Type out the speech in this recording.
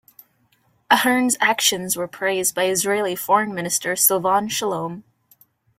Ahern's actions were praised by Israeli Foreign Minister Silvan Shalom.